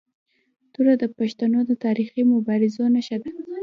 توره د پښتنو د تاریخي مبارزو نښه ده.